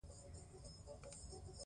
الوچه د اشتها په ښه کولو کې مرسته کوي.